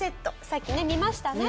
さっきね見ましたね。